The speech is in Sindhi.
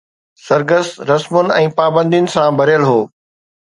سرگس رسمن ۽ پابندين سان ڀريل هو